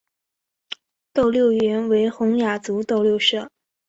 斗六原为洪雅族斗六社。